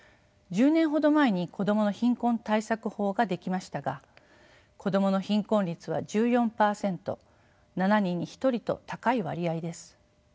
１０年ほど前に子どもの貧困対策法が出来ましたが子どもの貧困率は１４％７人に１人と高い割合です。